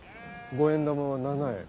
五円玉は７円。